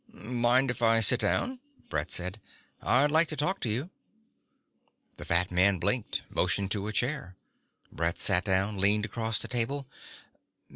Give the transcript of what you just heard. "Mind if I sit down?" Brett said. "I'd like to talk to you." The fat man blinked, motioned to a chair. Brett sat down, leaned across the table.